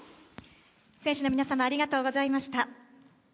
選手の皆様ありがとうございました。